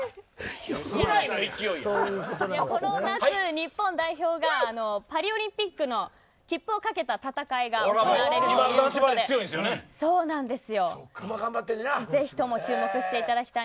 この夏、日本代表がパリオリンピックの切符を懸けた戦いが行われるということでぜひとも注目していただきたい。